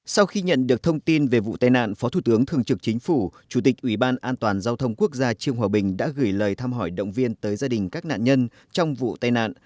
sau khi nhận được thông tin về vụ tai nạn phó thủ tướng thường trực chính phủ chủ tịch ủy ban an toàn giao thông quốc gia trương hòa bình đã gửi lời thăm hỏi động viên tới gia đình các nạn nhân trong vụ tai nạn